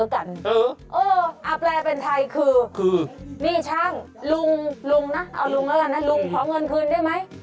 ขอเงินขึ้นใช่ไหม